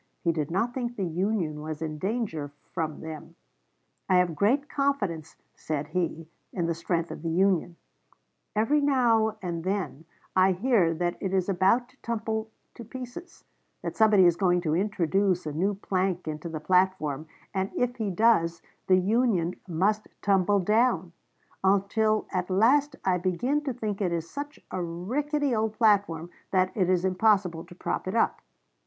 He did not think the Union was in danger from them. "I have great confidence," said he, "in the strength of the Union. Every now and then I hear that it is about to tumble to pieces; that somebody is going to introduce a new plank into the platform, and if he does, the Union must tumble down; until at last I begin to think it is such a rickety old platform that it is impossible to prop it up.